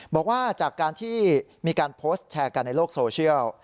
บอกว่าจากการที่มีการโพสต์แชร์กันในโลกโซเชียล